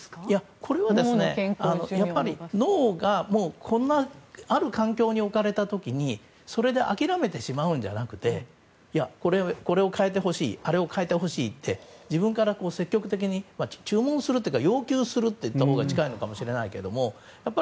これは、やっぱり脳がある環境に置かれた時にそれで諦めてしまうのではなくてこれを変えてほしいあれを変えてほしいって自分から積極的に注文するというか要求すると言ったほうが近いのかもしれないけど。